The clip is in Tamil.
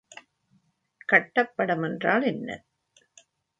கட்டப்படம் என்றால் என்ன?